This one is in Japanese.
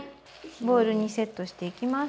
ボウルにセットしていきます。